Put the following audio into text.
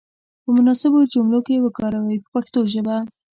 په مناسبو جملو کې یې وکاروئ په پښتو ژبه.